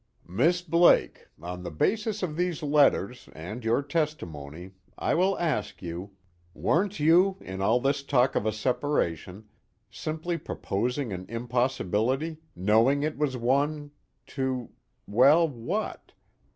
"Miss Blake, on the basis of these letters, and your testimony, I will ask you: weren't you, in all this talk of a separation, simply proposing an impossibility, knowing it was one, to well, what?